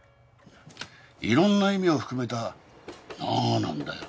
いろんな意味を含めた「なぁ」なんだよ。